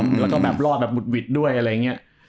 แล้วก็แบบรอดแบบบุดหวิดด้วยอะไรอย่างนี้